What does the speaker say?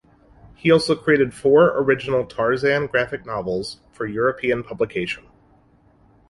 He also created four original Tarzan graphic novels for European publication.